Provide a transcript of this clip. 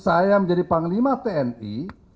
saya menjadi panglima tni